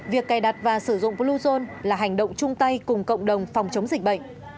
việc cài đặt và sử dụng bluezone là hành động chung tay cùng cộng đồng phòng chống dịch bệnh